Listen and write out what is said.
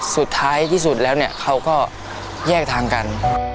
สุดท้ายที่สุดแล้วเนี่ยเขาก็แยกทางกัน